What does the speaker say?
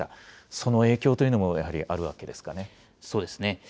その影響というのもやはりあるわそうですね。